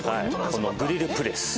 このグリルプレス。